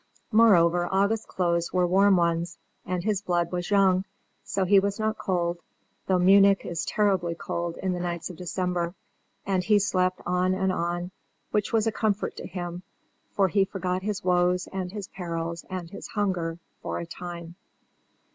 Moreover, August's clothes were warm ones, and his blood was young. So he was not cold, though Munich is terribly cold in the nights of December; and he slept on and on which was a comfort to him, for he forgot his woes, and his perils, and his hunger for a time.